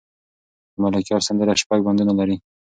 د ملکیار سندره شپږ بندونه لري.